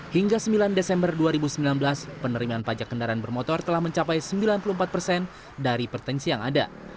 hingga sembilan desember dua ribu sembilan belas penerimaan pajak kendaraan bermotor telah mencapai sembilan puluh empat persen dari potensi yang ada